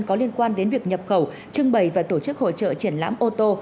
có liên quan đến việc nhập khẩu trưng bày và tổ chức hội trợ triển lãm ô tô